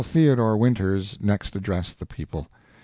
Theodore Winters next addressed the people.